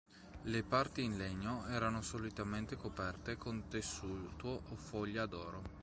Le parti in legno erano solitamente coperte con tessuto o foglia d'oro.